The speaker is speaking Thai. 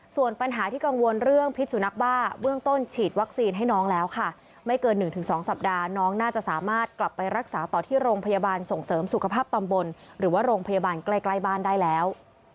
ส่วนปัญหาที่กังวลเรื่องพิษสุนัขบ้าเบื้องต้นฉีดวัคซีนให้น้องแล้วค่ะไม่เกิน๑๒สัปดาห์น้องน่าจะสามารถกลับไปรักษาต่อที่โรงพยาบาลส่งเสริมสุขภาพตำบลหรือว่าโรงพยาบาลใกล้บ้านได้แล้ว